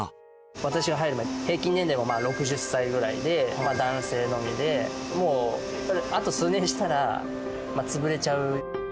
私が入る前平均年齢が６０歳ぐらいで男性のみであと数年したら潰れちゃう。